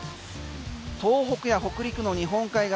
東北や北陸の日本海側